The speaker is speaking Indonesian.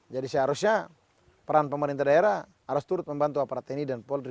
jadi seharusnya peran pemerintah daerah harus turut membantu aparat tni dan polri